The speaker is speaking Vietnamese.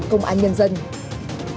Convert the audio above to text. cảm ơn các bạn đã theo dõi và hẹn gặp lại